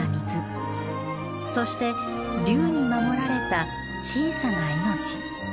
そして竜に守られた小さな命。